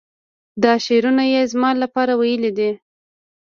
دا شعرونه یې زما لپاره ویلي دي.